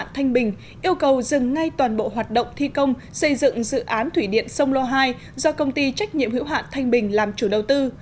thành bình yêu cầu dừng ngay toàn bộ hoạt động thi công xây dựng dự án thủy điện sông lô hai do công ty trách nhiệm hữu hạn thanh bình làm chủ đầu tư